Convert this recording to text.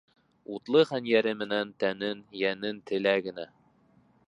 Утлы хәнйәре менән тәнен, йәнен телә генә.